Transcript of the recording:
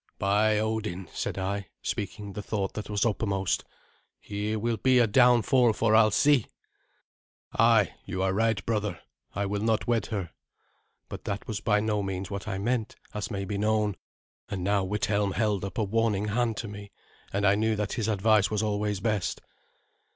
"By Odin," said I, speaking the thought that was uppermost, "here will be a downfall for Alsi!" "Ay, you are right, brother. I will not wed her." But that was by no means what I meant, as may be known; and now Withelm held up a warning hand to me, and I knew that his advice was always best.